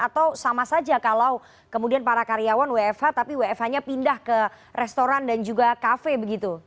atau sama saja kalau kemudian para karyawan wfh tapi wfh nya pindah ke restoran dan juga kafe begitu